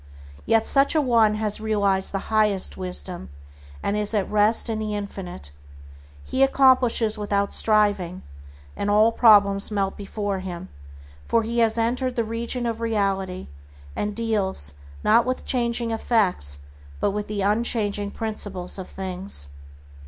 Yet such a one has realized the highest wisdom, and is at rest in the Infinite. He "accomplishes without striving," and all problems melt before him, for he has entered the region of reality, and deals, not with changing effects, but with the unchanging principles of things.